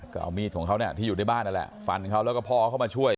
ก็เอามีดของเขาเนี่ยที่อยู่ในบ้านนั่นแหละฟันเขาแล้วก็พ่อเข้ามาช่วย